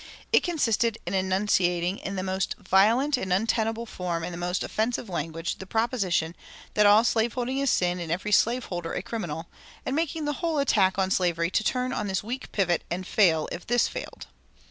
It consisted in enunciating in the most violent and untenable form and the most offensive language the proposition that all slave holding is sin and every slave holder a criminal, and making the whole attack on slavery to turn on this weak pivot and fail if this failed.